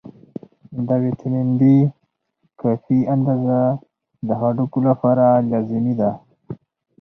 د ویټامین D کافي اندازه د هډوکو لپاره لازمي ده.